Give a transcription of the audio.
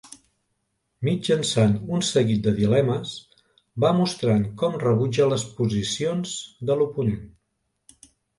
Mitjançant un seguit de dilemes, va mostrant com rebutja les posicions de l'oponent.